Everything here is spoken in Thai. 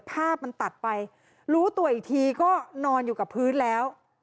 ภาพมันตัดไปรู้ตัวอีกทีก็นอนอยู่กับพื้นแล้ว